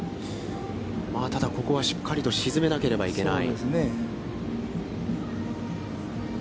まあ、ただ、ここはしっかりと沈めなければいけない。